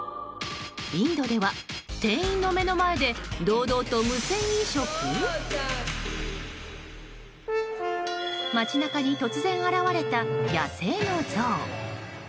インドでは、店員の目の前で堂々と無銭飲食？街中に突然現れた野生のゾウ。